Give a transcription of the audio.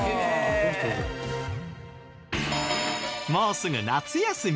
もうすぐ夏休み。